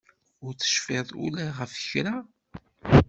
Ur tecfiḍ ula ɣef kra?